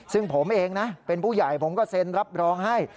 ซึ่งผมเองนะเป็นผู้ใหญ่ผมก็เซ็นรับรองให้